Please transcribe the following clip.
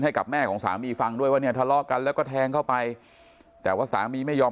ให้กับแม่ของสามีฟังด้วยว่าเนี่ยทะเลาะกันแล้วก็แทงเข้าไปแต่ว่าสามีไม่ยอม